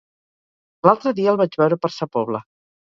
L'altre dia el vaig veure per Sa Pobla.